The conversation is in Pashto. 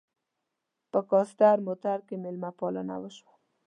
په کاسټر موټر کې مېلمه پالنه شوه.